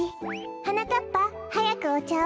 はなかっぱはやくおちゃを。